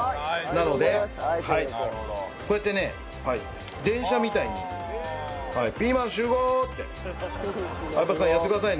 なのでこうやってね電車みたいにピーマン集合！って。相葉さんやってくださいね。